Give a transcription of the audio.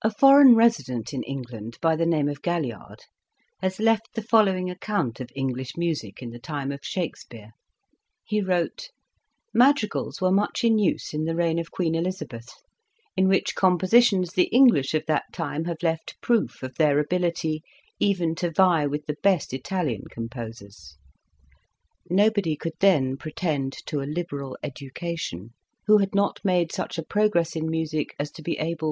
A foreign resident in England, by the name of Galliard, has left the following account of English music in the time of Shakespeare, he wrote :'' Madrigals were much in use in the reign of Queen Elizabeth, in which com positions the English of that time have left proof of their ability even to vie with the best Italian composers. Nobody could then pretend to a liberal education, who had not made such a progress in music as to be able 9 Introduction.